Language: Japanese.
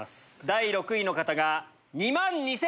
第６位の方が２万２１００円。